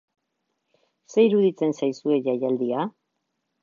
Zer iruditzen zaizue jaialdia?